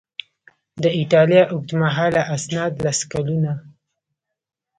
د ایټالیا اوږدمهاله اسناد لس کلونه